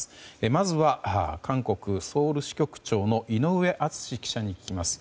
まずは、韓国ソウル支局長の井上敦記者に聞きます。